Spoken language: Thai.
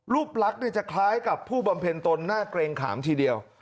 ลักษณ์จะคล้ายกับผู้บำเพ็ญตนน่าเกรงขามทีเดียว